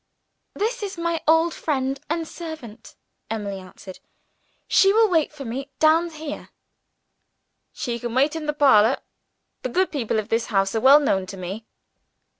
"This is my old friend and servant," Emily answered. "She will wait for me down here." "She can wait in the parlor; the good people of this house are well known to me."